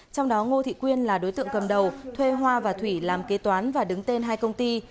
trong đó ngô thị quyên là đối tượng cầm đầu thuê hoa và thủy làm kế toán và đứng tên hai công ty